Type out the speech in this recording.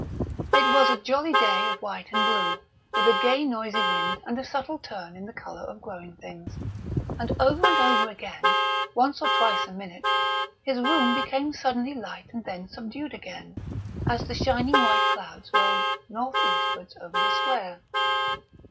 It was a jolly day of white and blue, with a gay noisy wind and a subtle turn in the colour of growing things; and over and over again, once or twice a minute, his room became suddenly light and then subdued again, as the shining white clouds rolled north eastwards over the square.